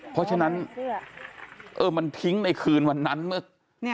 เพราะฉะนั้นมันทิ้งในคืนวันนั้นเมื่อ